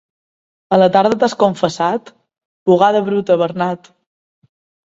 A la tarda t'has confessat? Bugada bruta, Bernat.